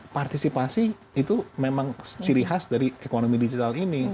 partisipasi itu memang ciri khas dari ekonomi digital ini